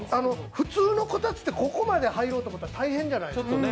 普通のこたつってここまで入ろうと思うと大変じゃないですか